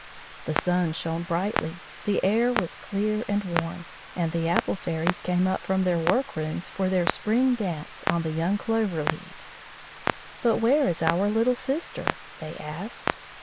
The sun shone brightly, the air was clear and warm, and the apple fairies came up from their workrooms for their spring dance on the young clover leaves. "But where is our little sister?" they asked.